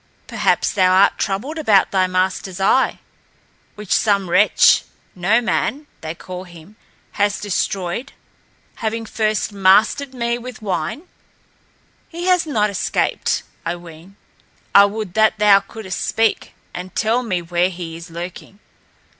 Perhaps thou art troubled about thy master's eye, which some wretch No Man, they call him has destroyed, having first mastered me with wine. He has not escaped, I ween. I would that thou couldst speak and tell me where he is lurking.